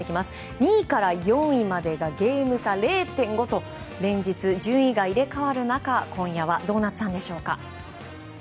２位から４位までがゲーム差０．５と連日、順位が入れ替わる中今夜はどうなったんでしょうか。